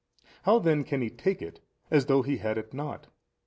Then how can he take it as though he had it not?